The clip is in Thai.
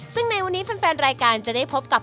ซึ่งในวันนี้แฟนรายการจะได้พบกับ